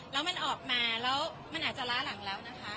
แล้วมันออกมาแล้วมันอาจจะล้าหลังแล้วนะคะ